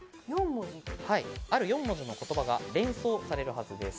ある４文字の言葉が連想されるはずです。